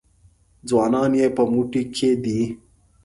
ځوانان یې په موټي کې دي.